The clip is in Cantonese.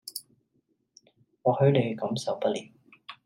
或許你感受不了